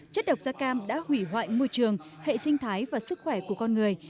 chất độc da cam đã hủy hoại môi trường hệ sinh thái và sức khỏe của con người